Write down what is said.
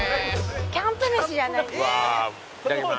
「キャンプ飯じゃないんだよな」